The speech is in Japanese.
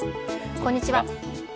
こんにちは。